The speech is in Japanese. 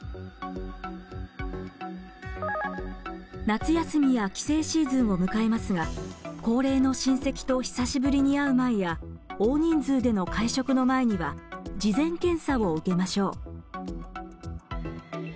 夏休みや帰省シーズンを迎えますが高齢の親戚と久しぶりに会う前や大人数での会食の前には事前検査を受けましょう。